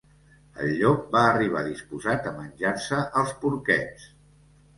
El llop va arribar disposat a menjar-se els porquets.